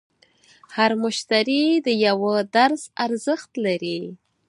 هر مشتری د یوه درس ارزښت لري.